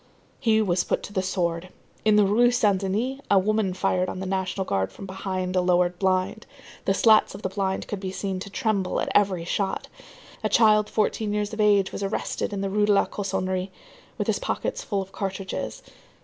He was put to the sword. In the Rue Saint Denis, a woman fired on the National Guard from behind a lowered blind. The slats of the blind could be seen to tremble at every shot. A child fourteen years of age was arrested in the Rue de la Cossonerie, with his pockets full of cartridges.